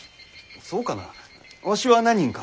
そうかなわしは何人か。